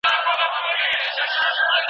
که ماشوم له دې کوره لاړ شي، ژوند به سخت وي.